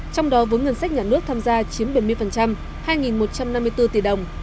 trong đó vốn ngân sách nhà nước tham gia chiếm bảy mươi hai một trăm năm mươi bốn tỷ đồng